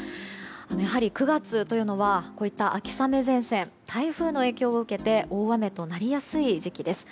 やはり、９月というのはこういった秋雨前線台風の影響を受けて大雨となりやすい時期です。